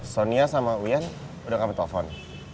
sonia sama wian udah ngambil telepon